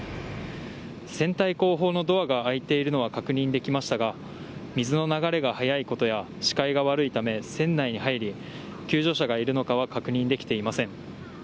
船体後方のドアが開いているのは確認できましたが水の流れが速いことや視界が悪いため、船内に入り救助者がいるのかは確認できていません。